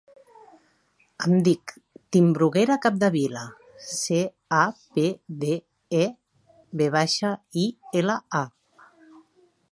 Em dic Timburguera Capdevila: ce, a, pe, de, e, ve baixa, i, ela, a.